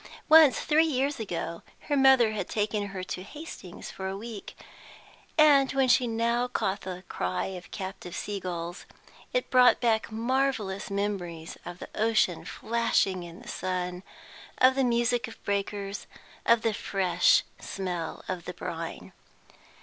Once, three years ago, her mother had taken her to Hastings for a week, and when she now caught the cry of the captive sea gulls, it brought back marvellous memories of the ocean flashing in the sun, of the music of breakers, of the fresh smell of the brine.